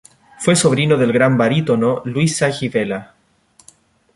Fue sobrino del gran barítono Luis Sagi Vela.